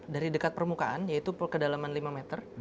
dari dekat permukaan yaitu kedalaman lima meter